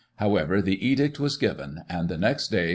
However, the edict was given ; and, the next day.